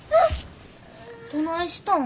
どないしたん？